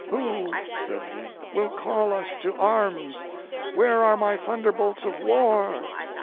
"Who," said he, "will call us to arms? Where are my thunderbolts of war?